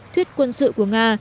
thuyết quân sự của nga